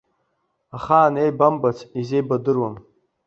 Ахаан еибамбац, изеибадыруам.